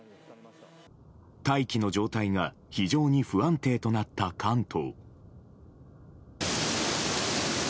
大気の状態が非常に不安定となった関東。